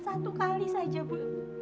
satu kali saja bu